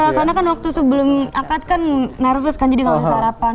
iya karena kan waktu sebelum angkat kan nervous kan jadi nggak bisa sarapan